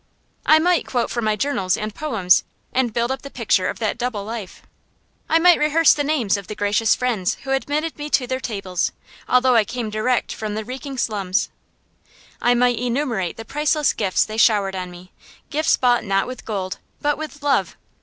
I might quote from my journals and poems, and build up the picture of that double life. I might rehearse the names of the gracious friends who admitted me to their tables, although I came direct from the reeking slums. I might enumerate the priceless gifts they showered on me; gifts bought not with gold but with love.